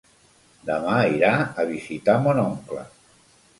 Demà irà a visitar mon oncle.